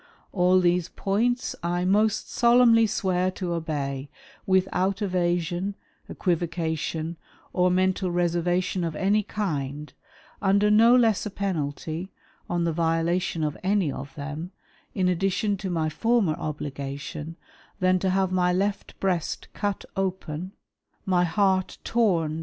All these points I " most solemnly swear to obey, without evasion, equivocation, or '' mental reservation of any kind, under no less a penalty, on "the violation of any of them, in addition to my former '^obligation, than to have my left breast cut open, my heart torn 128 WAE OF ANTICHRIST WITH THE CHURCH.